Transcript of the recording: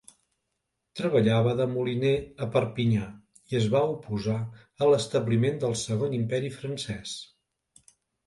Treballava de moliner a Perpinyà i es va oposar a l'establiment del Segon Imperi Francès.